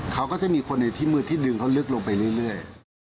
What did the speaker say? เขาก็จะมีคนในที่มือที่ดึงเขาลึกลงไปเรื่อย